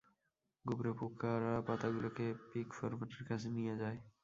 গুবরে পোকারা পাতাগুলোকে পিগ ফোরম্যানের কাছে নিয়ে যায়।